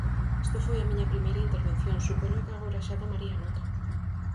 Isto foi a miña primeira intervención, supoño que agora xa tomaría nota.